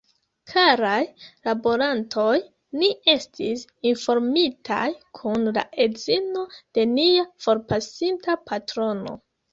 Karaj laborantoj, ni estis informitaj kun la edzino de nia forpasinta patrono